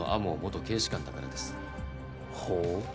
ほう。